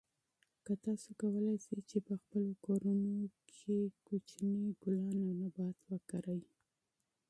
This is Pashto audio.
تاسو کولای شئ چې په خپلو کورونو کې کوچني ګلان او نباتات وکرئ.